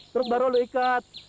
teruk baru lu ikat